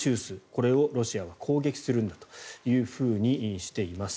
これをロシアは攻撃するんだとしています。